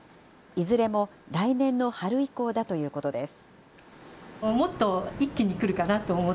いずれも来年の春以降だということです。